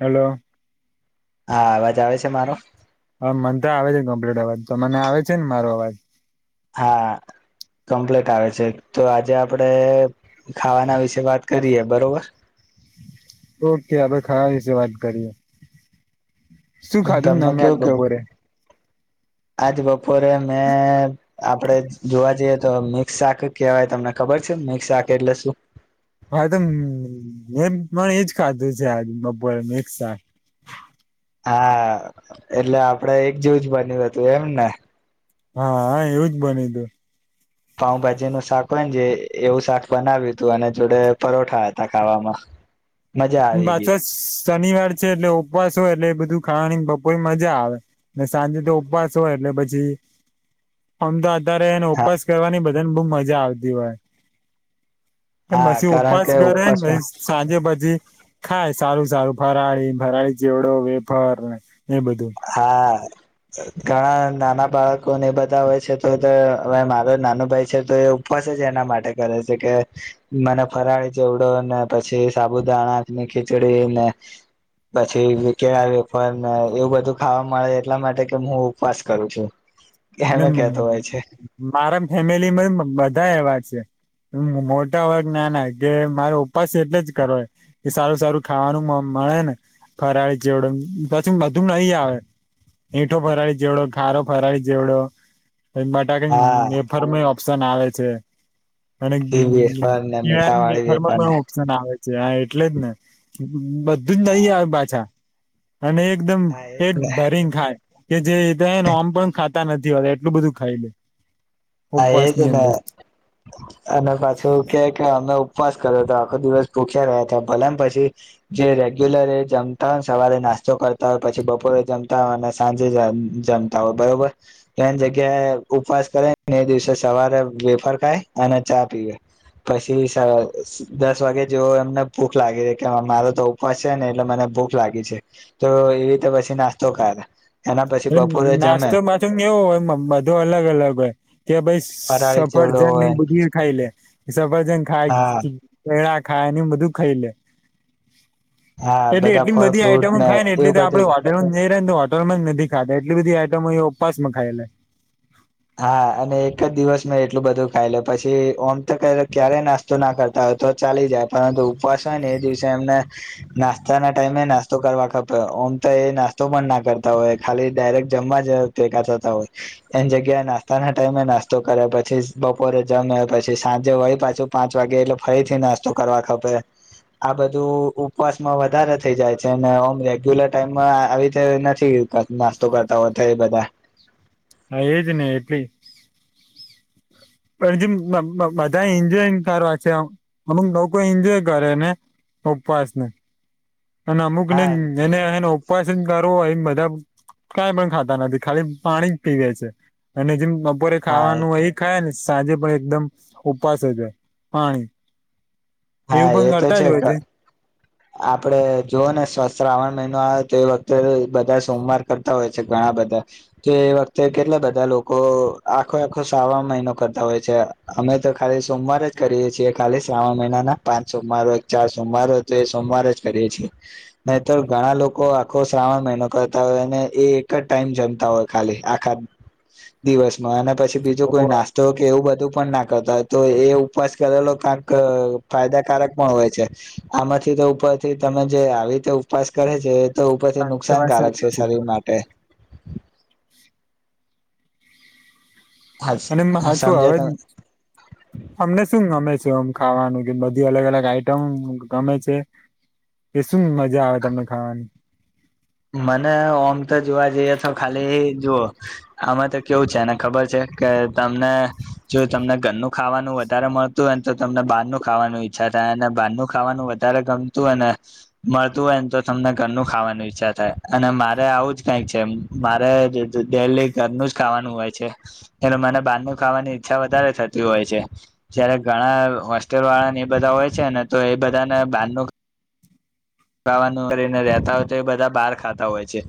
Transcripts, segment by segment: Hello. હા, અવાજ આવે છે, મારો હા મને આવે છે, કમ્પ્લીટ અવાજ, તો મને આવે છેને, મારો અવાજ હા. કમ્પ્લીટ આવે છે, તો આજે આપડે ખાવાના વિશે વાત કરીય, બરોબર. ઓકે આપણે ખરા વિશે, વાત કરીએ. શું ખાધું, ને તમને મે્યાજ કેવું કેવું બપોરે. આજ બપોરે મેં આપડે જોવા, જઈએ. તો મિક્સ શાક કહેવાય તમને ખબર છે, મિક્ શાક એટલે શું. હા, તો એમ પણ એજ ખાધું છે, આજ બપોર મા એક સાથ. હ [unintelligible] હા, એટલે આપડે એક જેવું જ બન્યું હતું, એમ ને. હા, એવુંજ બાનું ગીયો. પાઉભાજીનું શાક હોય, ને જે એવું શાક બનાવ્યું હતું, અને જોડે પરોઠા હતા ખાવામાં. મજા આવી ગઈ પાછો શનિવાર છે, એટલે ઉપવાસ હો એટલે બધું. ખાવાની બપોર મજા, આવે ને સાંજે તો ઉપવાસ હોય, એટલે પછી આમ, તો અત્યારે એને હા ઉપસ કરવાની, બધાને બહ મજા આવતી, હોય હા પછી કારણ ઉપવાસ કે કરે પછી ઉપવાસમાં સાંજે બધ. ખાય સારું સારું ફરાળી ફરાળી ચેવડો વેફર ને એ બધું હા. ઘણા નાના બાળકો ને બધા હોય છે તો હવે મારો નાનો ભાઈ છે તો એ. ઉપવાસ જ એના માટે કરે છે કે મને ફરાળી ચેવડો ને પછી સાબુદાણા. ખીચડી ને પછી કેળા વેફર ને એવું બધું. ખાવા મળે એટલા માટે કે હું ઉપવાસ કરું છું. એ એમે કેતો હોય છે મારા ફેમિલીમાં બધા એવા છે. મોટા વર્ગ ના ના કે મારો ઉપવાસ એટલે જ કરો કે સારું સારું ખાવાનું. ને ફરાળી ચેવડો પછી બધું નહી આવે. મીઠો ફરાડી જેવડો ખારો ફરાડી. ચેવડો પછી હા બટાકાની વેફર માં ઓપ્શન આવે છે. અને તીખી વેફર ને મીઠા વાળી કેળાનીવેફરમાં વેફર ને પણ ઓપ્શન આવે છે. એટલે જ ને બધું જ લઈ હા આવે પાછા. અને એકદમ હા એજ પેટ ને ભરીંન ખાય કે જે આમ પણ ખા. નથી હો એટલું બધું ખાઈ લે. હા એજ ઉપવાસની ને અંદર અને પાછું કેકમ. ઉપવાસ કર્યો હતો આખો દિવસ ભૂખ્યા રહ્યા હતા ભલેન પછી જે રેગ્યુલર એ જમતા. નાસ્તો કરતા હોય પછી બપોરે જમતા હોય અને સાંજે જમતા હોય બરોબર ત્ર જગ્યા. ઉપવાસ કરે એ દિવસે સવારે વેફર ખાય અને ચા પીવે. પછી દસ વાગે જેવો એમને ભૂખ લાગી છે કે મારો તો ઉપવાસ છે ને એટલે મને. ભૂખ લાગી છે તો એ રીતે પછી નાસ્તો ખા. નાસ્તો પાછું કેવો હોય બધો અલગ અલગ હોય. કે ભાઈ ફરાળી ચેવડો સફરજન હોય બુ ખાઈ લે સફરજન હા ખાઈ. ખાને બધું ખાઈ લે હા એટલે બધા એટલી ફળ બધી ફ્રૂટ આઈટમો ખાય ને એટલે એવું આપડે બધું વાર હોટલમાં જ નથી ખાધા એટલી બધી આઈટમો ઉપવાસ માં ખાયલા હા અને એક જ દિવસ મેં એટલું બધું ખાઈ લ પછી ઓમ તો ક્યારેય નાસ્તો ના કરતા હોય તો ચાલી જાય પરંતુ ઉપવાસ હોય ને એ દિવસે એમને નાસ્તા ના ટાઈમે નાસ્તો કરવા કપે ઓમ તો એ નાસ્તો પણ ના કરતા હોય ખાલી ડાયરેક્ટ જમવા જ ટેકા થતા હોય એની જગ્યા નાસ્તા ના ટાઈમે નાસ્તો કરે પછી બપોરે જમે્યા પછી સાંજે હોય પાછું પાંચ વાગે એટલે ફરી પી નાસ્તો કરવા ખપે આ બધું ઉપવાસમાં વધારે થઈ જાય છે અને ઓમ રેગ્યુલર ટાઈમમાં આવી ર નથી નાસ્તો કરતા હોય બધા હા એ જ ન એટલી પણ જે બધા એન્જોય કરવા છે અમુક લોકો એન્જોય કરે ને ઉપવાસને અને અમુક ને હા એને એને ઉપવાસ કરો હોય બધા કઈ પણ ખાતા નથી ખાલી પાણી જ પીવે છે અને જેમ બપોરે હા ખાવાનું અહી ખાય ને સાંજે પણ એકદમ ઉપસ છે પાણી હા એવું પણ એ તો કરતા છે જ હોય આપડે જોઓ ને શ્રાવણ મહિનો આવે તો એ વખતે બધા સોમવાર કરતા હોય છે ઘણા બધા કે વખતે કેટલા બધા લોકો આખો આખો સાવા મહિનો કરતા હોય છે અમે તો ખાલી સોમવાર જ કરીએ છીએ ખાલી શ્રાવણ મહિના ના પાંચ સોમવાર ચાર સોમવાર હોય તો એ સોમવાર જ કરીએ છીએ નહી તો ઘણા લોકો આખો શ્રાવણ મહિનો કરતા હોય અને એ એક જ ટાઈમ જમતા હોય ખાલી આખા દિવસમાં અને પછી બીજું કોઈ નાસ્તો કે એવું બધું પણ ના કરતા હોય તો એ ઉપવાસ કરેલો કાક ફાયદાકારક પણ હોય છે આમાંથી તો ઉપરથી તમે જે આવી રીતે ઉપવાસ કરે છે તો ઉપરથી તો વાત નુકસાનકારક સાચી છે જ શરીર માટે. હા અને હા છું સમજે હવે તમે અમને શું ગમે છે? મ ખાવાનું કે બધી અલગ અલગ આઈટમ ગમે છે. શું મજા આવે તમને ખાવાની? મને ઓમ તો જોવા જઈએ તો ખાલી જુઓ આમાં તો કેવું છે ખબર છે. કે તમને જો તમને ઘરનું ખાવાનું વધારે મળતું હોય ને તો તમને બહાર ન ખાવાનું ઈચ ને બહારનું ખાવાનું વધારે ગમતું હોય ને મળતું હોય ને તો તમને ઘરનું ખાવાનું ઇચ્છ અને મારે આવું જ કંક છે મારે ડેલી ઘરનું જ ખાવાનું હોય છે. અને મને બારનું ખાવાની ઈચ્છા વધારે થતી હોય છે જયારે ઘણા હોસ્ટલ વાળાને એ બધા હોય છે ને તો એ બધાને બારનું ખાવાનું કરીને રતા હોય તો એ બધા બહાર ખાતા હોય છે.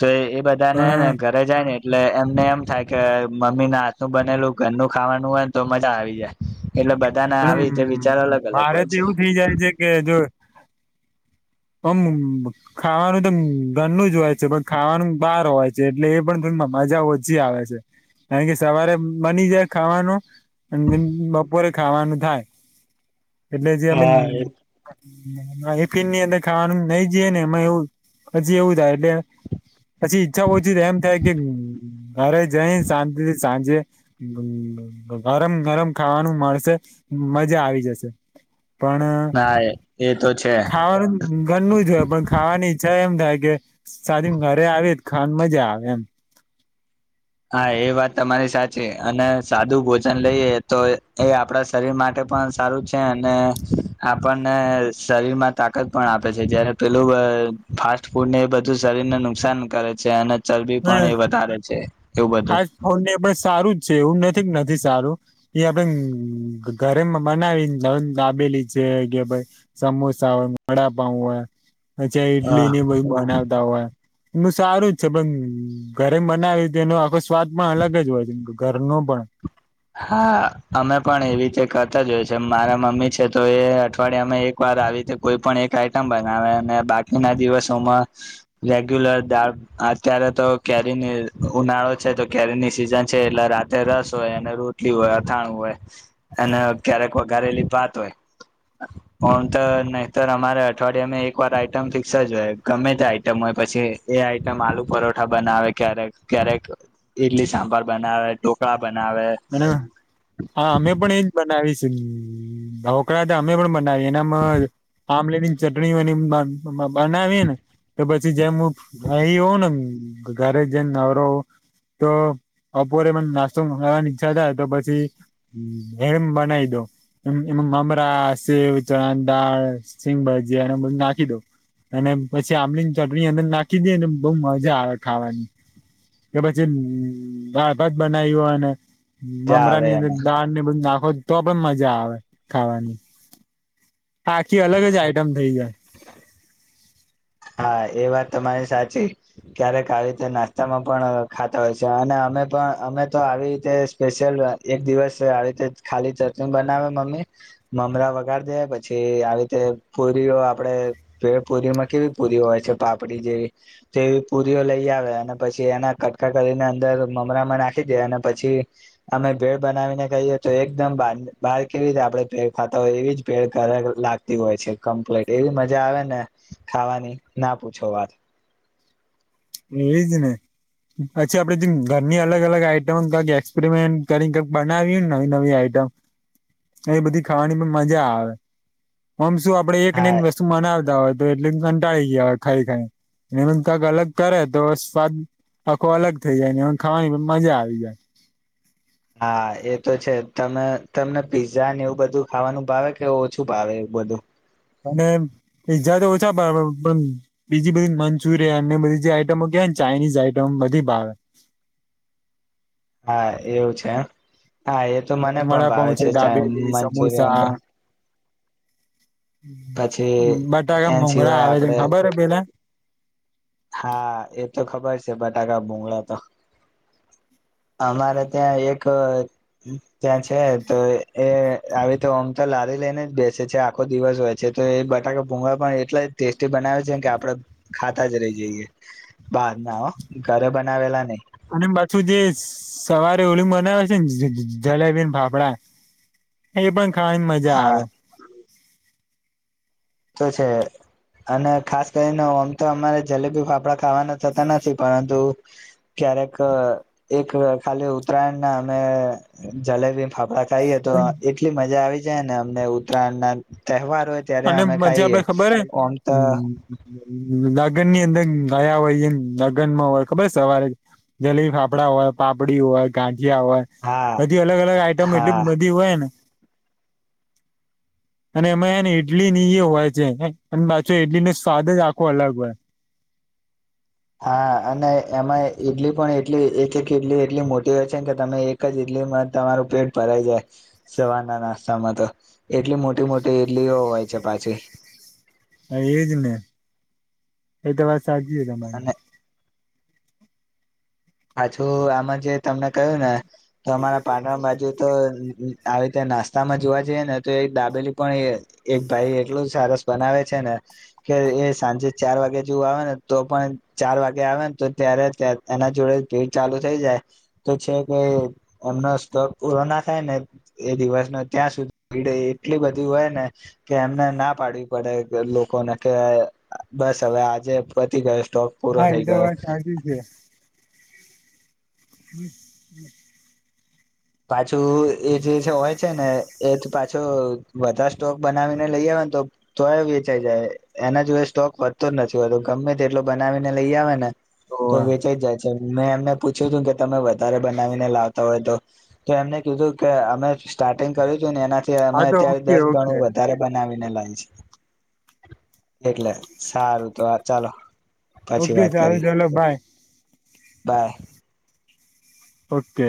તો એ બધા ને ને પણ ઘરે જાય ને એટલે એમને એમ થાય કે મમ્મીને હાથ નું બનેલું ઘરનું ખાવાનું હોય ને તો મજા આવી જાય. એટલે બધાના પણમ આવી રીતે વિચાર અલગ અલગ મારે હોય તો છે. એવું થઇ જાય છે કે જો હમ ખાવાનું તો ઘરનું જ હોય છે પણ ખાવાનું બહાર હોય છે એટલે એ પણ મજા ઓછી આવે છે. કારણ કે સવારે બની જાય ખાવાનું બપો ખાવાનું થાય એટલે જે અમે એફિન ની અંદર ખાવાનું નઈ જઈએ ને એમાં એવું હજી એવું થાય એટલે પછી ઈચ્છા હોછી એમ થાય કે ઘરે જાય શાંતિથી સાંજે ગરમ ગરમ ખાવાનું મળશે મજા આવી જશે. પણ હા એ એ તો છે ખાવાનું ગરનું જ હોય પણ ખાવાની એમ થાય કે સાદી ઘરે આવી ખાડ મજા આવે એમ. હા એ વાત તમારી સાચી અને સાદું ભોજન લઈએ તો એ આપણા શરીર માટે સારુ છે આપણને શરીરમાં તાકાત પણ આપે છે જયારે પેલું ફાસ્ટ ફૂડ ને એ બધું શરીરને નુકસાન કરે છે અને ચરબી પણ એ વધારે છે. એવું હા બધું. ફાસ્ટ ફૂડને એ પણ સારું જ છે એવું નથી સારું એ આપણે ઘરેમાં બનાવી લાબેલી છે કે સમોસા હોય વડાપઉ હોય પછી હા ઈડલી ને બધુ બનાવતા હોય. એનું સારું જ છે પણ ઘરે બનાવીએ તેમ સ્વાદ પણ અલગ જ હોય છે કે ઘરનો પણ. હા અમે પણ એવી રીતે કરતા મારા મમ્મી છે તો એ અઠવાડિયા અમે એક વાર આવી કોઈ પણ એક આઈટમ બનાવે. બાકીના દિવસોમાં રેગ્યુલર દાળ અત્યારે તો કેરી ઉનાળો તો કેરીની સિઝન છે એટલે રાતે રસ હોય રોટલી હોય અથાણું હોય અને ક્યારેક વઘારેલી ભાત હોય. હમ તો નહીતર અમારે અઠવાડિયેમે એક વાર આઈટમ ફિક્સ જ હોય ગમે તે આઈટમ હોય. પછી એ આઈટમ આલુ પરોઠા બનાવે ક્યારેક ક્યારેક ઈડલી સાંભાર બનાવે. [unintelligible] બનાવે. અને હા અમે પણ એજ બનાવીશ ઢોકડા તો અમે પણ એનામ આમલેની ચટણી હોય બનાવી ને તો પછી જેમ હું [unintelligible] ઘરે જઈને નવરો તો બપોરે પણ નાસ્તો મંગાવવાની છતા તો પછી એમ બનાવી દો. એમાં મમરા સેવ ચણા દાળ શિંગભાજી અને બધું નાખી દઉ. અને પછી આંમલી ની ચટણી અંદર નાખી દે ને બહુ મજા આવે ખાવાની. કે પછી અમ્મ દાળભાત બનાવ્યો અને મજા મમરા આવે ની એમ અંદર દાળ ને બધુ નાખો તો પણ મજા આવે ખાવાની. આખી અલગ જ આઈટમ થઇ જાય. હા એ વાત તમારી સાચી ક્યારેક આવી રીતે નાસ્તામાં પણ ખાતા હોય છે અને અમે પણ અમે તો આવી રીતે સ્પેશિયલ એક દિવસ આવી રીતે ખાલી ચટણી બનાવે મમ્મી મમરા વગાર દે પછી આવી રીતે પુરીઓ આપડે ભેડપુરીમાં કેવી. પુરીઓ હોય છે પાપડી જેવી તેવી પુરીઓ લઈ આવે અને પછી એના કટકા કરીને અંદર. મરામાં નાખી દે અને પછી અમે ભેડ બનાવીને કહીએ તો એકદમ બાર કેવી રીતે આપડે. ખાતા હોય એવી જ ભેડ લાગતી હોય છે કમ્પ્લીટ એવી મજા આવે ને ખાવાની. ના પૂછો વાત. એજને. પચી આપડે ઘરની અલગ અલગ આઈટમ કઈક એક્સપેરિમેન્ટ કરીને કઈક બનાવી ને નવી નવી આઈટમ. એ બધી ખાવાની પણ મજા આવેમ. આપણેે એક ને હા વસ્તુ બનાવતા હોય તો એટલે કંટાળી ગયા હોય ખાઈ ખાઈ એ કંક અલગ. કરે તો સ્વાદ આખો અલગ થઈ જાય ને ખાવાની પણ મજા આવી જાય. હા એ તો છે તમે તમને પીઝા ને એવું બધું ખાવાનું ભાવે કે ઓછું ભાવે. બધુ. અને પીઝા તો ઓછા પણ બીજી બધી મંચુરિયન બધી જે આઈટમો કેવાયને. ચાઇનીઝ આઈટમ બધી ભાવે. હા એવું છે. હા એ તો અને મને પણ ભાવે વડાપાઉં છે દાબેલી મંચુરિયન. સમોસા પછી બટાકા એ ભુંગળા સિવાય આવે છે ને આપડે ખબર હે પેલા. હા એ તો ખબર છે બટાકા ભુંગળા તો. [inaudible] અમારે ત્યાં એક ત્યાં છે તો એ આવી રીતે [unintelligible] લઈને જ બેસે છે આખો દિવસ હોય છે તો એ બટાકા ભૂંગળા પણ એટલા ટેસ્ટી બનાવે છે કે આપડે. ખાતા જ રહી જઈએ બાર ના હો ઘરે બનાવેલા નહી. અને પાછું જે સવારે ઓલુ બનાવે છે ને જલાબીને ફાફડા. એ પણ ખાવાની મજા હા આવે. તો છે. અને ખાસ કરીને આમ તો અમારે જલેબી ફાફડા ખાવાના થતા નથી પરંતુ. ક્યારેક એક ખાલી ઉત્તરાયણ ના અમે જલેબી ફાફડા. થઈ તો એટલી મજા આવી જાય ને અમને ઉત્તરાયણ ના તહેવાર હોય ત્યારે અને અમે. પછી ખાઈએ આપડે ખબર હ. ઓમ તો લગ્ન ની અંદર ગયા હોય એમ લગ્નમાં હોય ખબર સવારે. જલીલી ફાફડા હોય પાપડી હોય ગાં. જ્યા હોય હા બધી અલગ અલગ આઈટમ એટલી હા બધી હોય ને. અને એમાં એને. ઇડલી ની એ હોય છે અને પાછો ઇડલી નો સ્વાદ જ આખો અલગ હોય હા અને. એમાં ઈડલી પણ એટલી એક એક ઇડલી એટલી મોટી હોય છે કે તમે એક જ ઈડલીમાં તમારું પેટ ભર. જાય સવાર ના નાસ્તામાં તો એટલી મોટી મોટી ઈડલીઓ હોય છે પાછી. હ એજ ને એ તો વાત સાચી છે તમારી. અને હજુ આમાં જે તમને ક્યું ને તો અમારા પાટણ બાજુ તો. આવી રીતે નાસ્તા માં જોવા જઈએ ને તો એક દાબેલી પણ એક ભાઈ એટલું સરસ બનાવે છે ને. કે એ સાંજે ચાર વાગે જેવું આવે ને તો પણ ચાર વાગે આવે ને તો ત્યારે એના જોડે. ચાલુ થઈ જાય તો છે કે એમનો સ્ટોક પુરો ના થાય ને એ દિવસ. ત્યાં સુધીી એટલી બધી હોય ને કે એમને ના પાડવી પડે લોકોને કે. બસ હવે આજે પચ ગયો સ્ટોક પૂરો હા એ થઈ તો ગયો. વાત સાચી હમ હમ. પાછું એ જે હોય છે ને એ પાછો બધા સ્ટોક બનાવીને લઈ આવે. તોય વેચાઈ જાય એના જોએ સ્ટોક વધતો જ નથી હોતો ગમે તે એટલો બનાવીને લઈ આવે ને. તો ઓવે વેચાઈ જ જાય છે મેં એમને પૂછ્યું હતું કે તમે વધારે બનાવીને લાવતા હોય તો. તો એમને કીધું કે અમે સ્ટાર્ટિંગ કર્યું હતું ને એનાથી અમે હા તો અત્યારે ઓકે દસ ઓકે ગણું વધારે બનાવી. લ એટલે સારું તો આ ચાલો. પછી ઓકે વાત સારું કરીએ ચાલો બાય બાય ઓકે